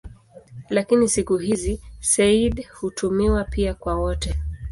Lakini siku hizi "sayyid" hutumiwa pia kwa wote.